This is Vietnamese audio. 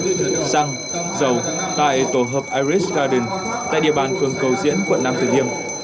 như răng dầu tại tổ hợp iris garden tại địa bàn phương cầu diễn quận nam tử liêm